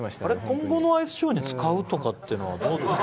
今後のアイスショーに使うとかっていうのはどうですか？